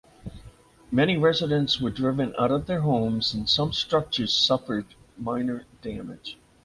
Many residents were driven out of their homes and some structures suffered minor damage.